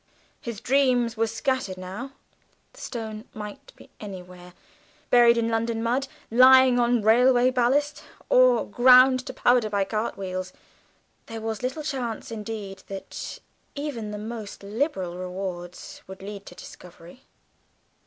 His dreams were scattered now; the Stone might be anywhere, buried in London mud, lying on railway ballast, or ground to powder by cartwheels. There was little chance, indeed, that even the most liberal rewards would lead to discovery.